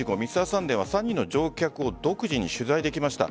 「Ｍｒ．サンデー」は３人の乗客を独自に取材できました。